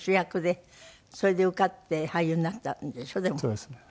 そうですね。